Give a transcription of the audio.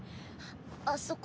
あそこ。